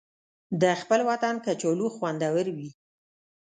د خپل وطن کچالو خوندور وي